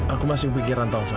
aku masih pikiran tau fad